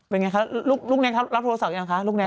เป็นไงคะลูกแน็ครับโทรศัพท์ยังไงคะ